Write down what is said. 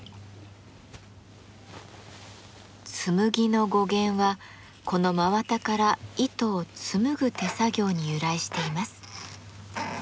「紬」の語源はこの真綿から糸を紡ぐ手作業に由来しています。